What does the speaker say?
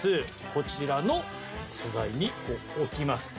こちらの素材に置きます。